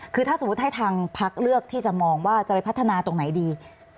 คือถ้าสมมุติให้ทางพักเลือกที่จะมองว่าจะไปพัฒนาตรงไหนดี